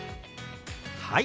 はい。